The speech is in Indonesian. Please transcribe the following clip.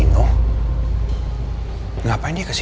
nino ngapain dia kesini